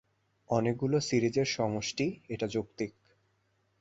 অনেকগুলো সিরিজের সমষ্টি, এটা যৌক্তিক।